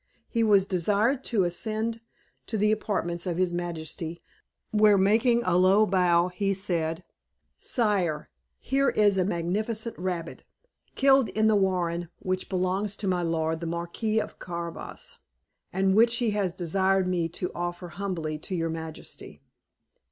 He was desired to ascend to the apartments of his majesty, where, making a low bow, he said, "Sire, here is a magnificent rabbit, killed in the warren which belongs to my lord the Marquis of Carabas, and which he has desired me to offer humbly to your majesty."